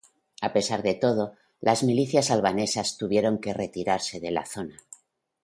A pesar de todo, las milicias albanesas tuvieron que retirarse de la zona.